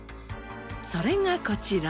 それがこちら。